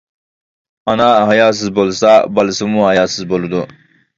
ئانا ھاياسىز بولسا بالىسىمۇ ھاياسىز بولىدۇ.